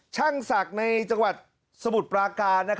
ช่างศักดิ์ในจังหวัดสมุทรปราการ